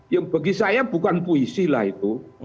ya bagi saya bukan puisi lah itu